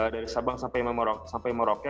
dari sabang sampai merauke